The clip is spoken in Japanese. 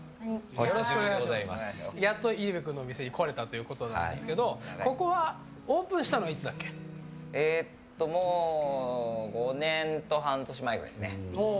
やっと入部君のお店に来れたということなんですけどここはオープンしたのもう５年と半年前くらいですね。